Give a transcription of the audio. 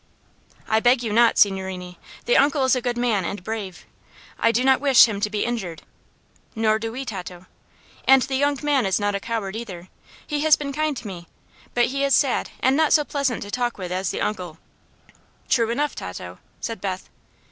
"I beg you not, signorini. The uncle is a good man, and brave. I do not wish him to be injured." "Nor do we, Tato." "And the young man is not a coward, either. He has been kind to me. But he is sad, and not so pleasant to talk with as the uncle." "True enough, Tato," said Beth.